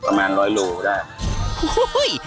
ประมาณ๑๐๐กิโลกรัมได้